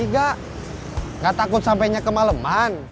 gak takut sampainya kemaleman